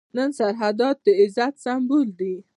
نن سرحدات د عزت سمبول دي.